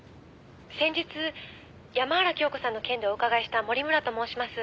「先日山原京子さんの件でお伺いした守村と申します」